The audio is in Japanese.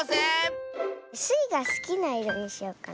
スイがすきないろにしようかな。